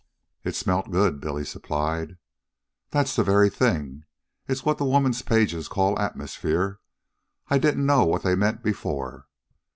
"It smelt good," Billy supplied. "That's the very thing. It's what the women's pages call atmosphere. I didn't know what they meant before.